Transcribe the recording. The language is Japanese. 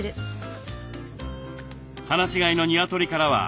放し飼いのニワトリからは卵も。